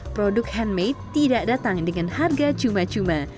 produk handmade tidak datang dengan harga cuma cuma